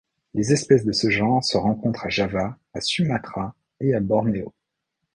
Les espèces de ce genre se rencontrent à Java, à Sumatra et à Bornéo.